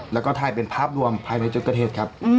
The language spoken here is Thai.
แล้วก็ถ่ายเป็นภาพรวมภายในจุดเกิดเหตุครับ